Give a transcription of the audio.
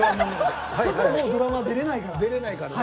もうドラマ出られないから。